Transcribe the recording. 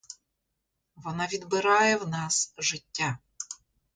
Вона відбирає в нас життя.